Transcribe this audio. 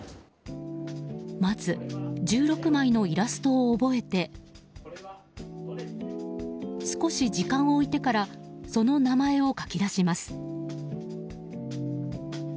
まず１６枚のイラストを覚えて少し時間を置いてからその名前を書き出します。